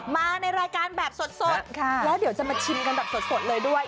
มาในรายการแบบสดแล้วเดี๋ยวจะมาชิมกันแบบสดเลยด้วย